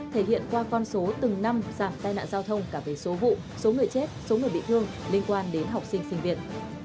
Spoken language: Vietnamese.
thể hiện qua con số từng năm giảm tai nạn giao thông cả về số vụ số người chết số người bị thương liên quan đến học sinh sinh viên